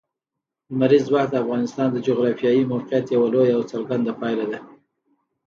لمریز ځواک د افغانستان د جغرافیایي موقیعت یوه لویه او څرګنده پایله ده.